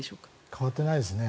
変わってないですね。